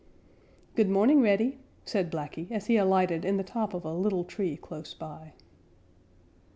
"Good morning, Reddy," said Blacky, as he alighted in the top of a little tree close by.